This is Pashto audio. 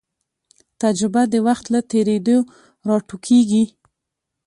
تجربه د وخت له تېرېدو راټوکېږي.